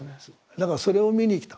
だからそれを見に来た。